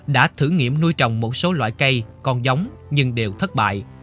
đã thử nghiệm nuôi trồng một số loại cây còn giống nhưng đều thất bại